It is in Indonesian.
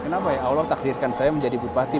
kenapa ya allah takdirkan saya menjadi bupati